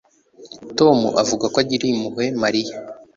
Tom avuga ko agiriye impuhwe Mariya